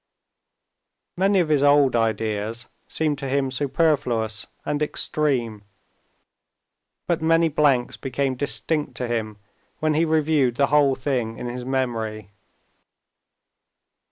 Many of his old ideas seemed to him superfluous and extreme, but many blanks became distinct to him when he reviewed the whole thing in his memory.